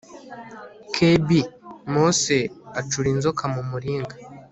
Kb Mose acura inzoka mu muringa